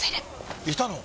いたの？